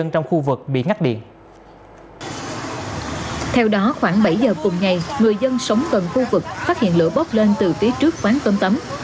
theo đó khoảng bảy giờ cùng ngày người dân sống gần khu vực phát hiện lửa bốc lên từ phía trước quán tấm